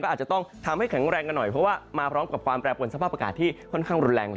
อาจจะต้องทำให้แข็งแรงกันหน่อยเพราะว่ามาพร้อมกับความแปรปวนสภาพอากาศที่ค่อนข้างรุนแรง